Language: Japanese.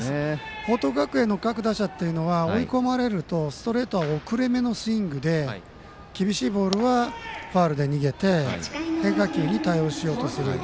報徳学園の各打者というのは追い込まれるとストレートは遅れめのスイングで厳しいボールはファウルで逃げて変化球に対応しようとする。